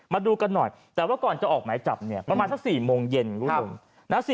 มาดูกันหน่อยแต่ว่าก่อนจะออกไหมจับประมาณสัก๔โมงเย็นครับ